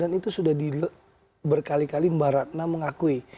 dan itu sudah di berkali kali mbak ratna mengakui